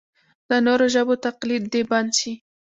د نورو ژبو تقلید دې بند شي.